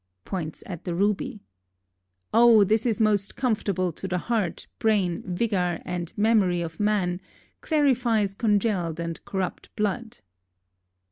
Poynts at the ruby. "Oh! this is most comfortable to the hart, braine, vigar and memorie of man, clarifies congelled and corrupt bloud."